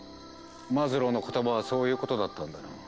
マズローの言葉はそういうことだったんだな。